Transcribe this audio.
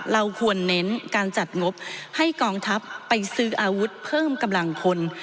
เราควรเน้นการจัดงบให้กองทัพไปซื้ออาวุธเพิ่มกำลังคน